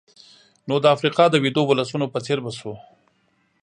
نو د افریقا د ویدو ولسونو په څېر به شو.